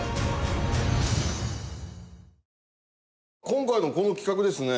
今回のこの企画ですね